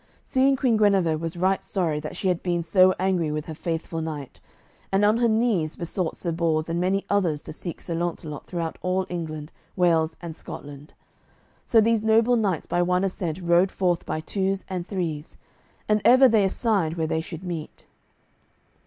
Soon Queen Guenever was right sorry that she had been so angry with her faithful knight, and on her knees besought Sir Bors and many others to seek Sir Launcelot throughout all England, Wales, and Scotland. So these noble knights by one assent rode forth by twos and threes; and ever they assigned where they should meet.